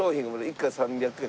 「１回３００円」